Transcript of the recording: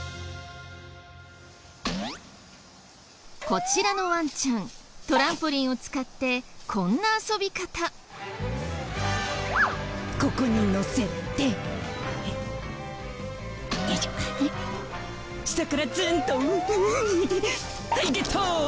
こちらのワンちゃんトランポリンを使ってこんな遊び方。よいしょ。